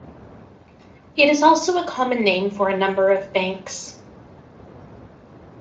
It is also a common name for a number of banks.